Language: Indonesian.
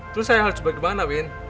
terus saya harus berkembang nawin